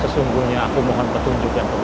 sesungguhnya aku mohon petunjukkan kebenaran